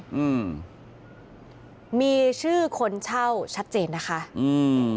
อืมมีชื่อคนเช่าชัดเจนนะคะอืม